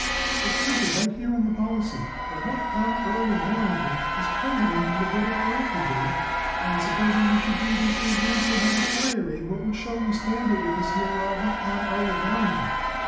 "That's printed right here on the policy. That rutt honn Earl of Warrington is president of the board of directors, Abe; and supposing we should maybe for example have a fire, Abe, what show would we stand it with this here rutt honn Earl of Warrington?"